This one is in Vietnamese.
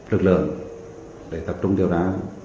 lực lượng để tập trung điều tra